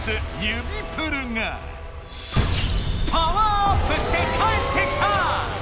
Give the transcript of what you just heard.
「指プル」がパワーアップして帰ってきた！